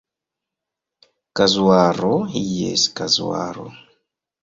Kazuaro, Jes kazuaro.